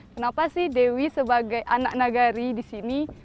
kenapa sih dewi sebagai anak nagari disini